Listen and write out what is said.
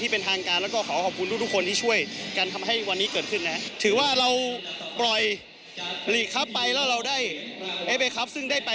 มาดูวันนี้ครับ